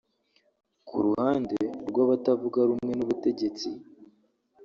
Ku ruhande rw’abatavuga rumwe n’ubutegetsi